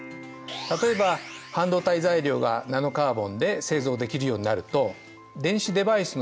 例えば半導体材料がナノカーボンで製造できるようになると電子デバイスの微小化